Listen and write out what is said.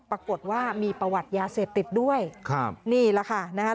ปรากฏว่ามีประวัติยาเสพติดด้วยครับนี่แหละค่ะนะฮะ